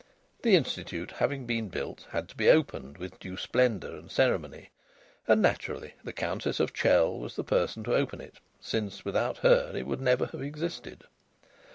The Institute, having been built, had to be opened with due splendour and ceremony. And naturally the Countess of Chell was the person to open it, since without her it would never have existed.